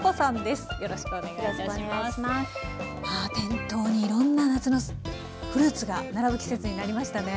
店頭にいろんな夏のフルーツが並ぶ季節になりましたね。